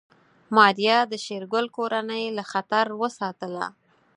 ماريا د شېرګل کورنۍ له خطر وساتله.